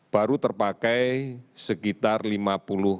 baru terpakai sekitar satu lima juta orang